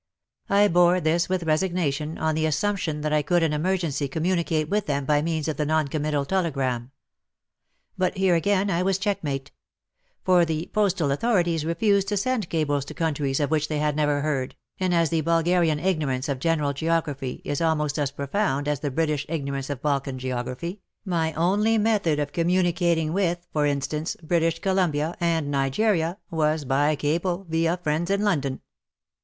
/ bore this with resignation, on the assumption that I could in emergency com municate with them by means of the non committal telegram. But here again I was checkmated. For the postal authorities refused to send cables to countries of which they had never heard, and as the Bulgarian ignorance of general geography is almost as profound as the British ignorance of Balkan geography, my only method of communicating with, for instance, British Columbia and Nigeria was by cable via friends in London.